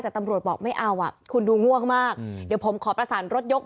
แต่ตำรวจบอกไม่เอาอ่ะคุณดูง่วงมากเดี๋ยวผมขอประสานรถยก